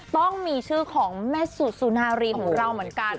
ต้องมีชื่อของแม่สุสุนารีของเราเหมือนกัน